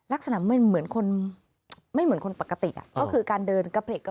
ลักษณะไม่เหมือนคนปกติอ่ะก็คือการเดินกระเพลก